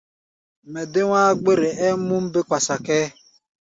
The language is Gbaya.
Mɛ dé wá̧á̧-gbére, ɛɛ múm bé kpasa kʼɛ́ɛ́.